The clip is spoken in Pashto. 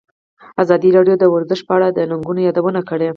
ازادي راډیو د ورزش په اړه د ننګونو یادونه کړې.